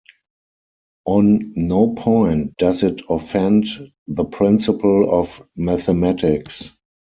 On no point does it offend the principle of mathematics.